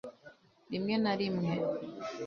rimwe na rimwe